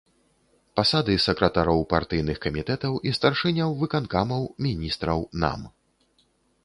Пасады сакратароў партыйных камітэтаў і старшыняў выканкамаў, міністраў, нам.